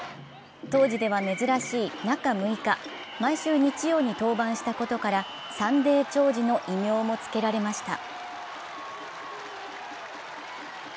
当時では珍しい中６日、毎週日曜に登板したことからサンデー兆治の異名もつけられました。